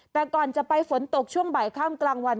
แต่ก่อนจะไปฝนตกช่วงบ่ายข้ามกลางวัน